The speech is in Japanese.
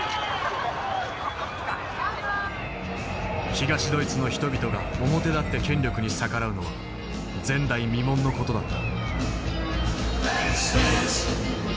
東ドイツの人々が表立って権力に逆らうのは前代未聞の事だった。